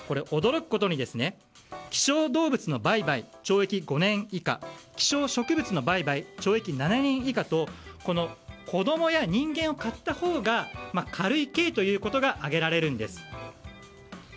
驚くことに希少動物の売買懲役５年以下希少植物の売買、懲役７年以下と子供や人間を買ったほうが軽い刑ということが挙げられるんです。